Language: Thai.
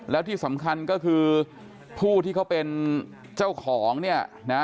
แล้วที่สำคัญก็คือผู้ที่เขาเป็นเจ้าของเนี่ยนะ